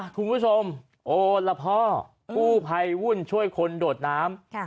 คุณผู้ชมโอ้ละพ่อกู้ภัยวุ่นช่วยคนโดดน้ำ